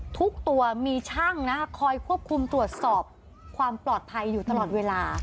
ทุกตัวมีช่างนะคอยควบคุมตรวจสอบความปลอดภัยอยู่ตลอดเวลา